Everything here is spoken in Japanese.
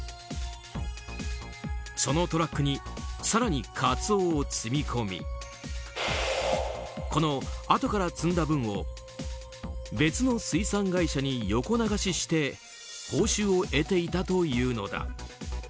そのトラックに更にカツオを積み込みこの、あとから積んだ分を別の水産加工会社に横流しして報酬を得ていたというのだ。